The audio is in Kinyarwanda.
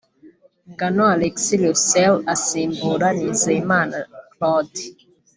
Nganou Alex Russel asimbura Nizeyimana Claude